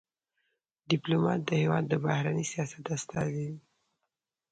ډيپلومات د هېواد د بهرني سیاست استازی دی.